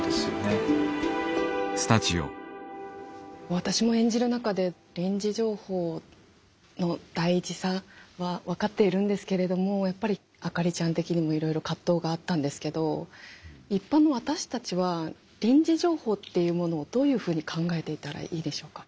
私も演じる中で臨時情報の大事さは分かっているんですけれどもやっぱりあかりちゃん的にもいろいろ葛藤があったんですけど一般の私たちは臨時情報っていうものをどういうふうに考えていたらいいでしょうか。